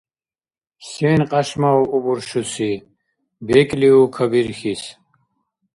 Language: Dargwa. – Сен кьяшмау убуршуси? БекӀлиу кабирхьис.